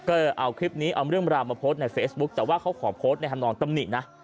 ก็เอาคลิปนี้เอาเรื่องราวมาโพสต์ในเฟซบุ๊คแต่ว่าเขาขอโพสต์ในธรรมนองตำหนินะ